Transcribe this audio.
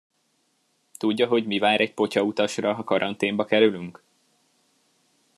Tudja, hogy mi vár egy potyautasra, ha karanténba kerülünk?